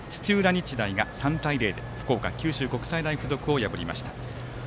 日大が３対０で福岡・九州国際大付属を破りました。